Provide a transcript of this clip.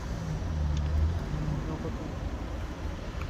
কোন কোন মতে ম্গার-স্রোং-র্ত্সানের জন্ম স্তোদ-লুঙ্গের নিকটে ল্দিং-খার নিকটে।